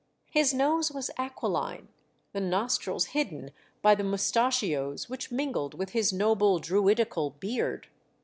His nose was aquiline, the nostrils hidden by the moustachios which mingled with his noble Druidical beard.